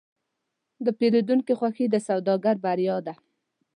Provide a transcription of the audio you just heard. د پیرودونکي خوښي د سوداګر بریا ده.